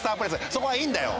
そこはいいんだよ。